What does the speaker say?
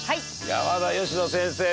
山田佳乃先生です。